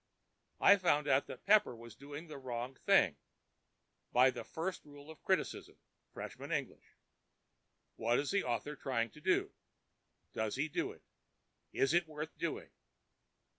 I found out that Pepper was doing the wrong thing—by the first rule of criticism (freshman English): 'What is the author trying to do? Does he do it? Is it worth doing?'